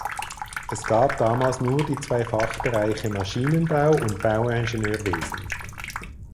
Es gab damals nur die zwei Fachbereiche Maschinenbau und Bauingenieurwesen.